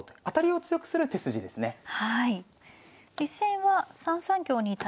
当たりを強くする手筋ですね。